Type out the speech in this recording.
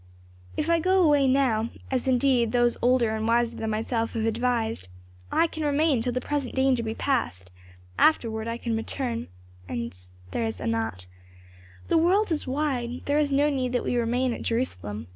"If I go away now as indeed those older and wiser than myself have advised I can remain till the present danger be passed, afterward I can return, and there is Anat. The world is wide, there is no need that we remain at Jerusalem.